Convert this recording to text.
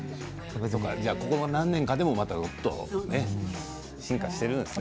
ここ何年かでも進化しているんですね。